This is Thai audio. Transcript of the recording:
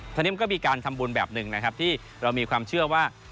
ทีนี้มันก็มีการทำบุญแบบหนึ่งนะครับที่เรามีความเชื่อว่า